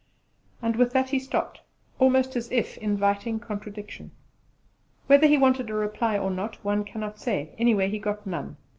And with that he stopped, almost as if inviting contradiction. Whether he wanted a reply or not one cannot say; anyway, he got none.